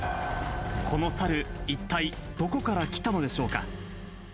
このサル、一体どこから来たのでしょうか。